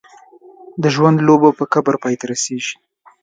د ژوند لوبه په قبر پای ته رسېږي.